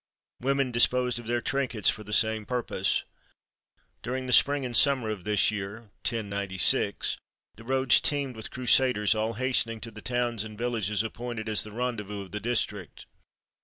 Women disposed of their trinkets for the same purpose. During the spring and summer of this year (1096) the roads teemed with crusaders, all hastening to the towns and villages appointed as the rendezvous of the district.